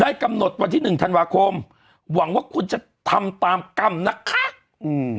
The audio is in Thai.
กำหนดวันที่หนึ่งธันวาคมหวังว่าคุณจะทำตามกรรมนะคะอืม